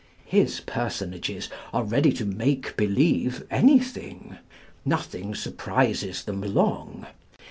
His personages are ready to make believe anything. Nothing surprises them long.